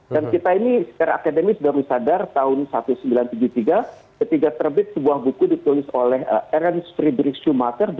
dan kita ini secara akademis baru sadar tahun seribu sembilan ratus tujuh puluh tiga ketiga terbit sebuah buku ditulis oleh ernst friedrich schumacher